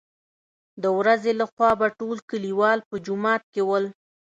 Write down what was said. دورځې له خوا به ټول کليوال په جومات کې ول.